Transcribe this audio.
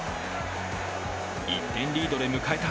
１点リードで迎えた